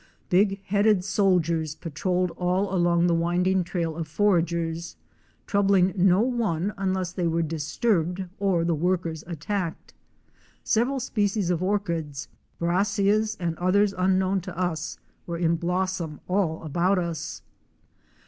Big headed soldiers patrolled all along the winding trail of foragers, troubling no one un less they were disturbed or the workers attacked. Several species of orchids, Brassias and others unknown to us, were in blossom all about us.